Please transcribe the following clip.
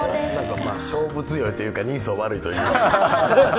勝負強いというか、人相悪いというか。